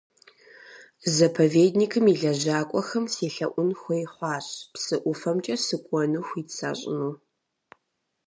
Заповедникым и лэжьакӀуэхэм селъэӀун хуей хъуащ, псы ӀуфэмкӀэ сыкӀуэну хуит сащӀыну.